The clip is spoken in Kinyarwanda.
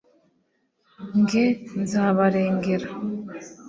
njye nzabarengera